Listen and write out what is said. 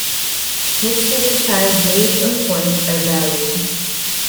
Hits with the entire blade or point are valid.